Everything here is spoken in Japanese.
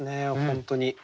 本当に。